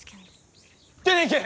出ていけ！